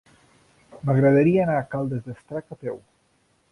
M'agradaria anar a Caldes d'Estrac a peu.